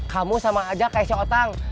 kamu sama aja kayak si otang